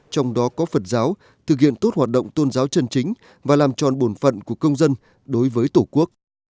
trong đó có phật giáo thực hiện tốt hoạt động tôn giáo chân chính và làm tròn bổn phận của công dân đối với tổ quốc